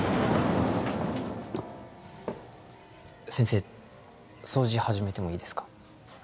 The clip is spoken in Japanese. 先生掃除始めてもいいですか